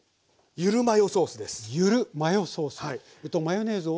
ゆるマヨソース。